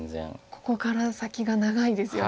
ここから先が長いですよね。